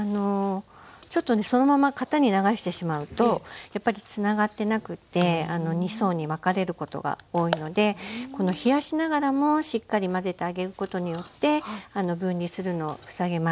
ちょっとねそのまま型に流してしまうとやっぱりつながってなくて２層に分かれることが多いのでこの冷やしながらもしっかり混ぜてあげることによって分離するのを防げます。